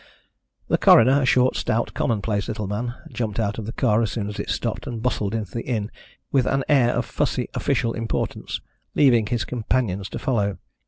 The coroner, a short, stout, commonplace little man, jumped out of the car as soon as it stopped, and bustled into the inn with an air of fussy official importance, leaving his companions to follow.